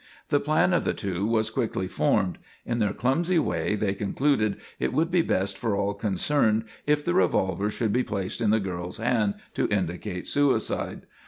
The plan of the two was quickly formed. In their clumsy way they concluded it would be best for all concerned if the revolver should be placed in the girl's hand to indicate suicide.